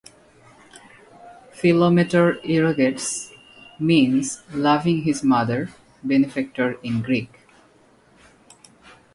"Philometor Euergetes" means "Loving-his-Mother, Benefactor" in Greek.